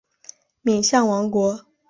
敏象王国。